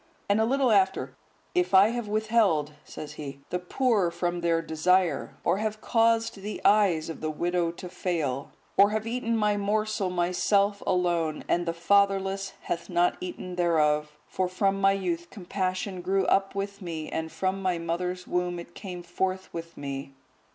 And a little after: "If I have withheld," says he, "the poor from their desire; or have caused the eyes of the widow to fail; or have eaten my morsel myself alone, and the fatherless hath not eaten thereof: (for from my youth compassion grew up with me, and from my mother's womb it came forth with me."